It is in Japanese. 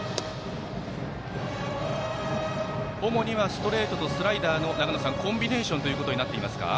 主にはストレートとスライダーのコンビネーションとなっていますか？